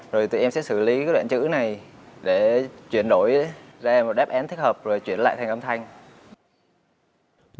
rồi tụi em sẽ xử lý cái đoạn chữ này để chuyển đổi ra một đáp án thích hợp rồi chuyển lại thành âm thanh